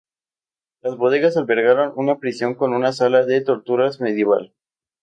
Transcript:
Sus bodegas albergaron una prisión con una sala de torturas medieval.